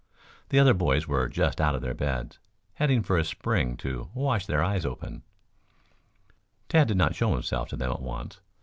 The other boys were just out of their beds, heading for a spring to "wash their eyes open." Tad did not show himself to them at once.